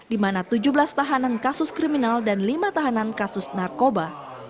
di mana tujuh belas tahanan kasus kriminal dan lima tahanan kasus narkoba